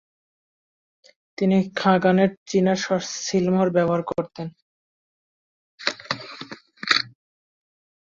তিনি খাগানের চীনা সীলমোহর ব্যবহার করতেন।